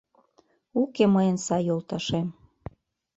Уке мыйын сай йолташем.